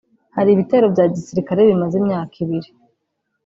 hari ibitero bya gisirikare bimaze imyaka ibiri